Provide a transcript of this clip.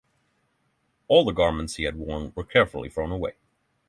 All the garments he had worn were carefully thrown away.